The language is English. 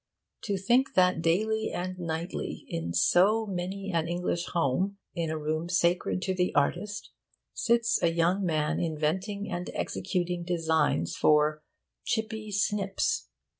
To think that daily and nightly, in so many an English home, in a room sacred to the artist, sits a young man inventing and executing designs for Chippy Snips!